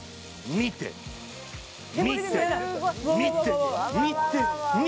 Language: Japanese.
見て見て見て見て！